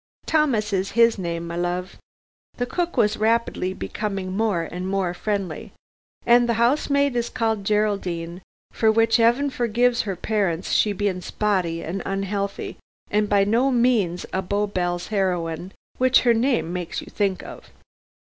Thomas is his name, my love." The cook was rapidly becoming more and more friendly, "and the housemaid is called Geraldine, for which 'eaven forgives her parents, she bein' spotty and un'ealthy and by no means a Bow Bell's 'eroine, which 'er name makes you think of.